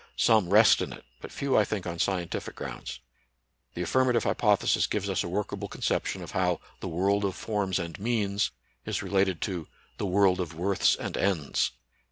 Some rest in it, but few I think on scientific grounds. The affirmative hypothesis gives us a workable conception of how "the world of forms and means" is related to "the world of worths and ends."